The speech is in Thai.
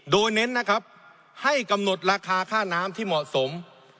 โดยเน้นนะครับให้กำหนดราคาค่าน้ำที่เหมาะสม